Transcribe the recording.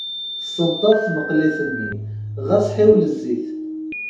Tessenṭaḍ tmeqlit-nni, ɣas ḥiwel zzit.